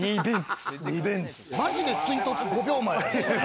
マジで追突５秒前。